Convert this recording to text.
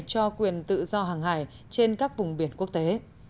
cho quyền tự do hàng hải trên các vùng biển quốc tế